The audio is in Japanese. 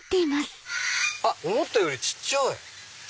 思ったより小っちゃい！